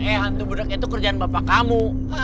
eh hantu budak itu kerjaan bapak kamu